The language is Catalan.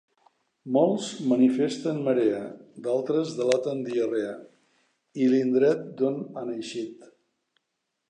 Molts manifesten marea; d'altres delaten diarrea i l'indret d'on han eixit.